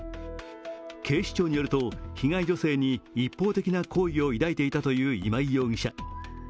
警視庁によると、被害女性に一方的な好意を抱いていたという今井容疑者。